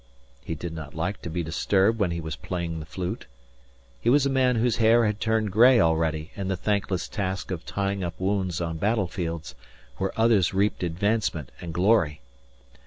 He did not like to be disturbed when he was playing the flute. He was a man whose hair had turned gray already in the thankless task of tying up wounds on battlefields where others reaped advancement and glory.